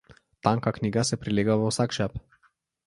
Tanka knjiga se prilega v vsak žep.